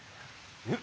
えっ？